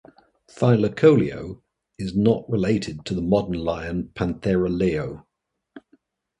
"Thylacoleo" is not related to the modern lion "Panthera leo".